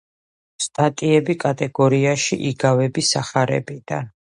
სტატიები კატეგორიაში „იგავები სახარებიდან“